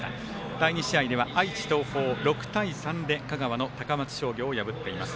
第２試合では、愛知の東邦香川の高松商業を破っています。